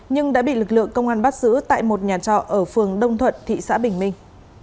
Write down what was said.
nhưng đã bị lực lượng công an bắt giữ tại một nhà trọ ở phường đông thuận thị xã bình minh